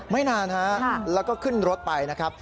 ไม่นานฮะแล้วก็ขึ้นรถไปนะครับ